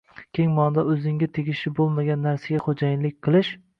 Keng maʼnoda – o‘zingga tegishli bo‘lmagan narsaga xo‘jayinlik qilish: